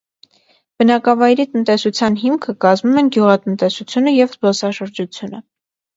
Բնակավայրի տնտեսության հիմքը կազմում են գյուղատնտեսությունը և զբոսաշրջությունը։